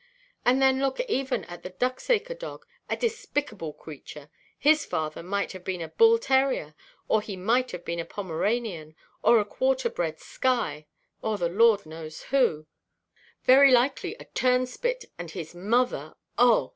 And then look even at the Ducksacre dog, a despicable creature—his father might have been a bull–terrier, or he might have been a Pomeranian, or a quarter–bred Skye, or the Lord knows who, very likely a turnspit, and his mother, oh!